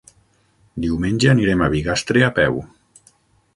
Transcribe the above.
Diumenge anirem a Bigastre a peu.